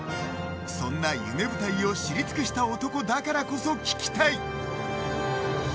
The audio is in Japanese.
そんな夢舞台を知り尽くした男だからこそ聞きたい。